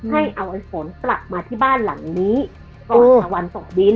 ให้เอาไอ้ฝนกลับมาที่บ้านหลังนี้ก่อนค่ะวันตกดิน